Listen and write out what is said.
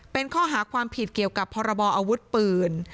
เป็นข้อหาความผิดเกี่ยวกับพรบออาวุธปืน